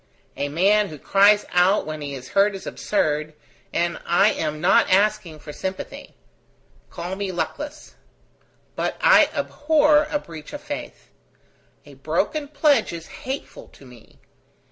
A man who cries out when he is hurt is absurd, and I am not asking for sympathy. Call me luckless. But I abhor a breach of faith. A broken pledge is hateful to me.